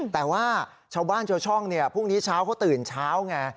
แต่ว่าชาวบ้านชาวช่องพรุ่งนี้เช้าเขาตื่นเช้าไง